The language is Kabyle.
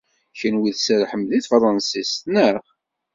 Kenwi tserrḥem deg tefṛansit, naɣ?